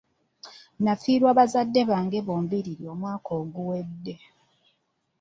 Nafiirwa bazadde bange bombiriri omwaka oguwedde.